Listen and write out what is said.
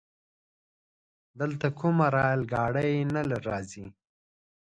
دلته کومه رايل ګاډی نه راځي؟